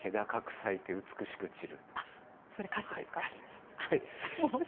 咲いて美しく散る。